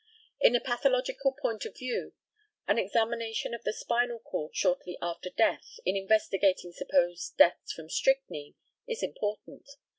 In a pathological point of view, an examination of the spinal cord shortly after death, in investigating supposed deaths from strychnine, is important.